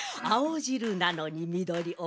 あおじるなのにみどり。